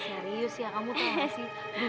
serius ya kamu tuhan